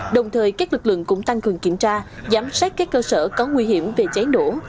đồng thời các lực lượng cũng tăng cường kiểm tra giám sát các cơ sở có nguy hiểm về cháy nổ